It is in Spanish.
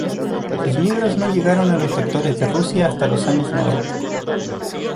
Sus libros no llegaron a los lectores de Rusia hasta los años noventa.